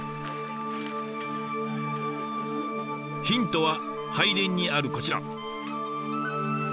ヒントは拝殿にあるこちら。